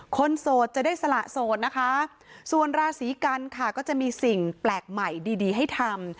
โสดจะได้สละโสดนะคะส่วนราศีกันค่ะก็จะมีสิ่งแปลกใหม่ดีดีให้ทำ